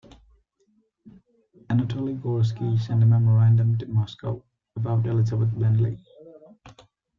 Anatoly Gorsky sent a memorandum to Moscow about Elizabeth Bentley.